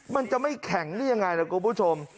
มันจะไม่แข็งได้ยังไงล่ะคุณผู้ชม